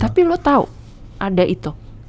tapi lu tau ada itu